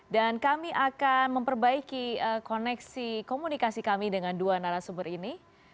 dan kami akan memperbaiki koneksi komunikasi kami dengan dua narasumber ini